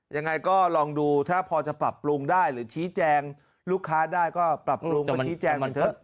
ยังไงก็ลองดูถ้าพอจะปรับปรุงได้หรือชี้แจงลูกค้าได้ก็ปรับปรุงมาชี้แจงกันเถอะ